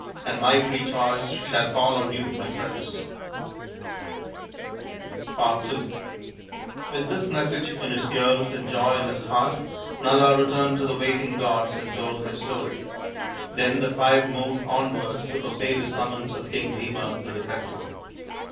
And my free choice shall fall on you, my prince/' 124 THE INDIAN STORY BOOK ii With this message in his ears and joy in his heart Nala returned to the waiting gods and told his story. Then the five moved onward to obey the summons of King Bhima to the festival.